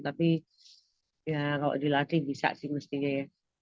tapi kalau dilatih bisa sih mestinya